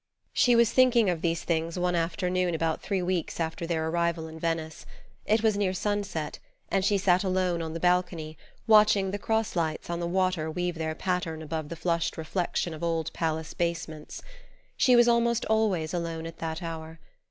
She was thinking of these things one afternoon about three weeks after their arrival in Venice. It was near sunset, and she sat alone on the balcony, watching the cross lights on the water weave their pattern above the flushed reflection of old palace basements. She was almost always alone at that hour.